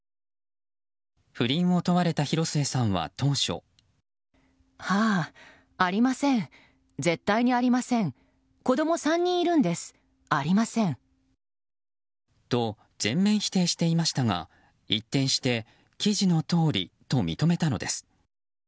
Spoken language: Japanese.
不倫を問われた広末さんは当初。と、全面否定していましたが一転して、記事のとおりと認めたのです。